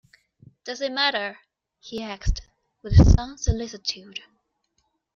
"Does it matter," he asked, with some solicitude.